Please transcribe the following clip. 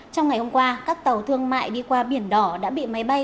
trong ngày hôm qua các tàu thương mại đi qua biển đỏ đã bị máy bay